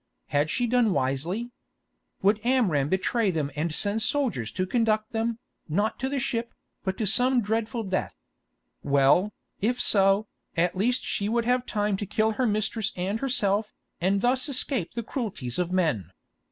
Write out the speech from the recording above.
Had she done wisely? Would Amram betray them and send soldiers to conduct them, not to the ship, but to some dreadful death? Well, if so, at least she would have time to kill her mistress and herself, and thus escape the cruelties of men.